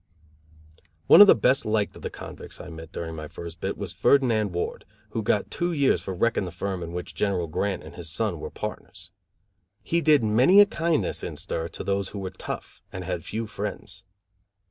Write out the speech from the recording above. One of the best liked of the convicts I met during my first bit was Ferdinand Ward, who got two years for wrecking the firm in which General Grant and his son were partners. He did many a kindness in stir to those who were tough and had few friends.